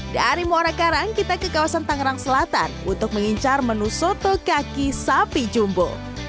dari muara karang kita ke kawasan tangerang selatan untuk mengincar menu soto kaki sapi jumbo